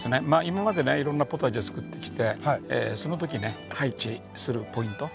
今までねいろんなポタジェ作ってきてその時ね配置するポイント